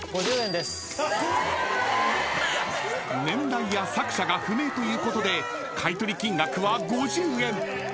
［年代や作者が不明ということで買取金額は５０円］